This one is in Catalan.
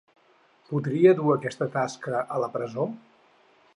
Podria dur aquesta tasca a la presó?